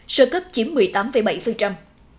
sơ cấp chiếm một mươi tám bảy